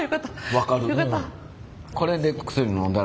分かる。